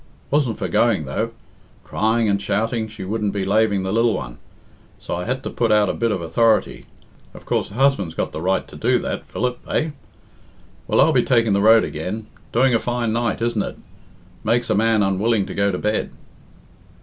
Wasn't for going, though. Crying and shouting she wouldn't be laving the lil one. So I had to put out a bit of authority. Of course, a husband's got the right to do that, Philip, eh? Well, I'll be taking the road again. Doing a fine night, isn't it? Make's a man unwilling to go to bed."